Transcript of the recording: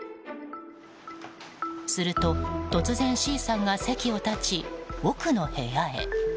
すると、突然Ｃさんが席を立ち奥の部屋へ。